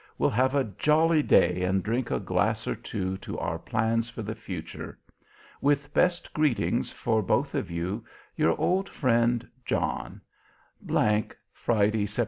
We'll have a jolly day and drink a glass or two to our plans for the future. With best greetings for both of you, Your old friend, John G , Friday, Sept.